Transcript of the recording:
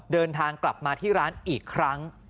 เดินทางกลับมาที่ร้านอีกครั้ง